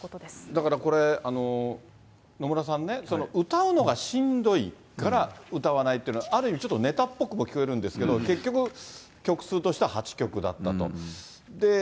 だからこれ、野村さんね、歌うのがしんどいから歌わないというのは、ある意味、ちょっとねたっぽくも聞こえるんですけれども、結局、曲数としては８曲だったと。